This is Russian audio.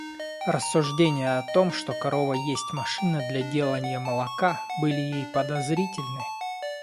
Рассуждения о том, что корова есть машина для деланья молока, были ей подозрительны.